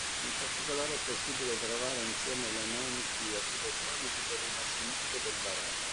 In particolare è possibile trovare insieme elementi architettonici del Rinascimento e del Barocco.